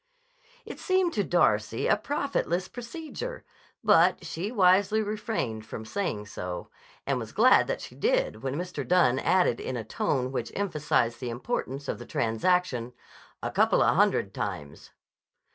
It seemed to Darcy a profitless procedure, but she wisely refrained from saying so, and was glad that she did when Mr. Dunne added in a tone which emphasized the importance of the transaction: "A coupla hundred times."